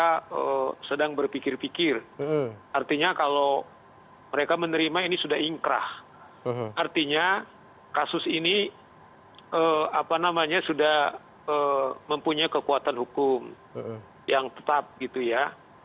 kalau kita dengar kemarin kan mereka sedang berpikir pikir artinya kalau mereka menerima ini sudah ingkrah artinya kasus ini sudah mempunyai kekuatan hukum yang tetap gitu ya